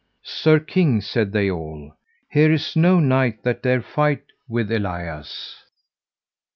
Sir king, said they all, here is no knight that dare fight with Elias.